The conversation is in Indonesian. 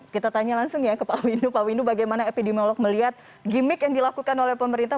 kita tanya langsung ya ke pak windu pak windu bagaimana epidemiolog melihat gimmick yang dilakukan oleh pemerintah